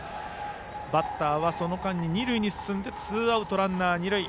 バッターはその間に二塁に進みツーアウトランナー、二塁。